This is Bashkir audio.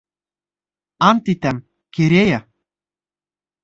Ант итәм, Керея!